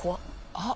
あっ。